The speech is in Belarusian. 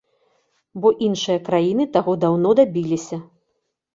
Бо іншыя краіны таго даўно дабіліся.